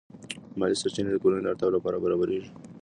مالی سرچینې د کورنۍ د اړتیاوو لپاره برابرېږي.